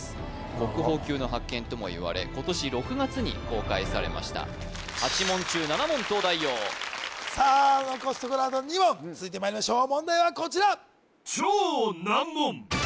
国宝級の発見ともいわれ今年６月に公開されました８問中７問東大王さあ残すところあと２問続いてまいりましょう問題はこちら